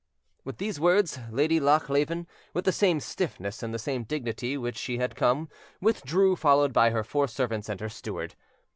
With these words, Lady Lochleven, with the same stiffness and the same dignity with which she had come, withdrew, followed by her four servants and her steward.